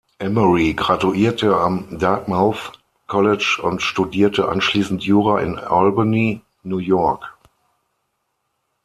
Emery graduierte am Dartmouth College und studierte anschließend Jura in Albany, New York.